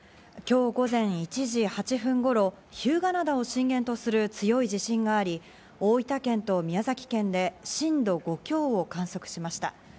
今日午前１時８分頃、日向灘を震源とする強い地震があり、大分県と宮崎県で震度５強を観測しました。